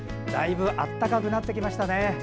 だいぶ暖かくなってきましたね。